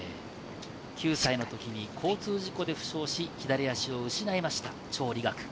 ９歳の時に交通事故で負傷し左足を失いました、チョウ・リガク。